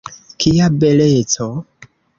Kia beleco!